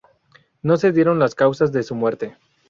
No se dieron las causas de su muerte.